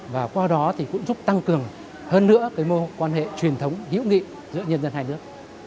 và qua đó cũng giúp tăng cường hơn nữa mô quan hệ truyền thống hiệu nghị giữa nhân dân hai nước